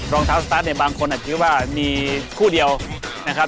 รองเท้าสตาร์ทเนี่ยบางคนอาจจะคิดว่ามีคู่เดียวนะครับ